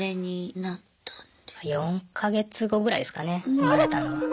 ４か月後ぐらいですかね生まれたのは。